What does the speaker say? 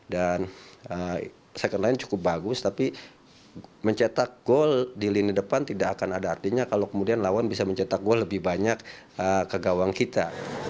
dan second line cukup bagus tapi mencetak gol di lini depan tidak akan ada artinya kalau kemudian lawan bisa mencetak gol lebih banyak ke gawang kita